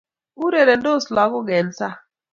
urerensot lagok eng sang